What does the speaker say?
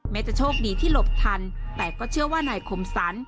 จะโชคดีที่หลบทันแต่ก็เชื่อว่านายคมสรร